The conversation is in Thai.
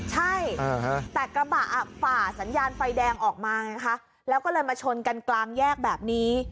ใช่แต่กระบะฝ่าสัญญาณไฟแดงออกมาไงคะแล้วก็เลยมาชนกันกลางแยกแบบนี้